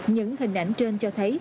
những hình ảnh trên cho thấy